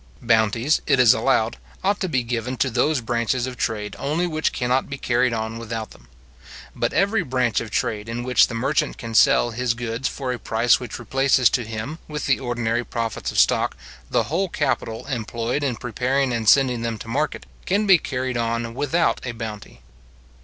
Bounties, it is allowed, ought to be given to those branches of trade only which cannot be carried on without them. But every branch of trade in which the merchant can sell his goods for a price which replaces to him, with the ordinary profits of stock, the whole capital employed in preparing and sending them to market, can be carried on without a bounty.